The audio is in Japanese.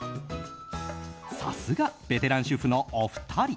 さすが、ベテラン主婦のお二人。